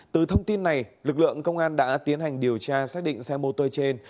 từ thông tin này lực lượng công an đã tiến hành điều tra xác định xe mô tô trên